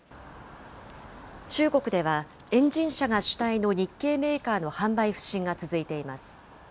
中国では、エンジン車が主体の日系メーカーの販売不振が続いています。